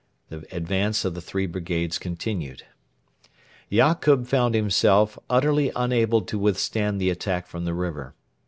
The advance of the three brigades continued. Yakub found himself utterly unable to withstand the attack from the river.